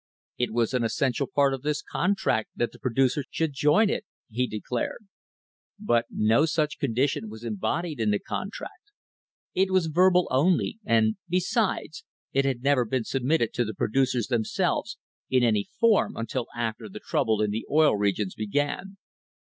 "It was an essential part of this contract that the producers should join it," he declared. But no such condition was embodied in the contract. It was verbal only, and, besides, it had never been submitted to the producers themselves in any form until after the trouble in the Oil Regions began.